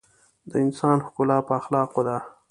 د انسان ښکلا په اخلاقو ده.